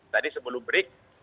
tadi sebelum break